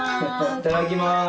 いただきます。